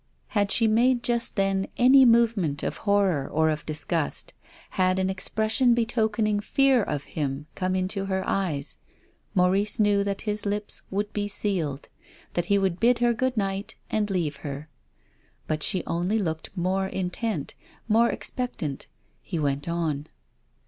Had she made just then any movement of horror or of disgust, had an expression betokening fear of him come into her eyes, Maurice knew that his lips would be sealed, that he would bid her good night and leave her. But she only looked more intent, more expectant. He went on.